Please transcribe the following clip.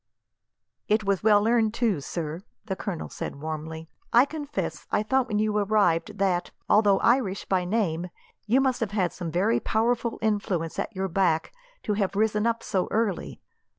"It was well earned, too, sir," the colonel said warmly. "I confess, I thought when you arrived that, although Irish by name, you must have had some very powerful influence at your back to have risen so early.